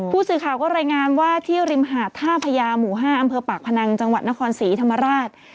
ผู้สื่อข่าวก็รายงานว่าที่ริมหาดท่าพญาหมู่๕อำเภอปากพนังจังหวัดนครศรีธรรมราช